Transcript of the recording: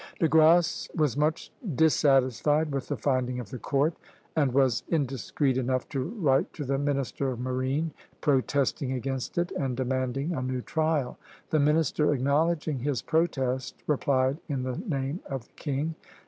De Grasse was much dissatisfied with the finding of the Court, and was indiscreet enough to write to the minister of marine, protesting against it and demanding a new trial. The minister, acknowledging his protest, replied in the name of the king.